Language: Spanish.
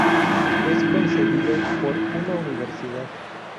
Es concedido por una universidad.